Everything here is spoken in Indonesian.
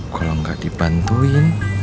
kalau gak dibantuin